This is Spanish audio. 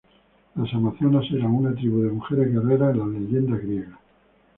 Las Amazonas eran una tribu de mujeres guerreras en las leyendas griegas.